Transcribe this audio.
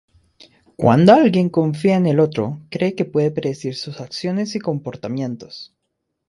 Cuando alguien confía en el otro, cree que puede predecir sus acciones y comportamientos.